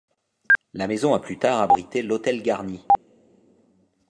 La maison a plus tard abrité l'hôtel Garni.